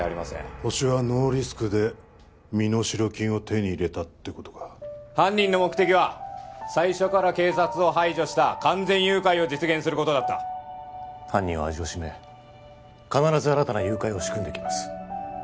ホシはノーリスクで身代金を手に入れたってことか犯人の目的は最初から警察を排除した完全誘拐を実現することだった犯人は味をしめ必ず新たな誘拐を仕組んできます